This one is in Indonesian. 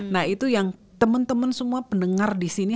nah itu yang teman teman semua pendengar disini